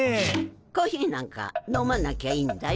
コーヒーなんか飲まなきゃいいんだよ。